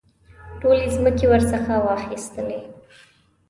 ټولې مځکې ورڅخه واخیستلې.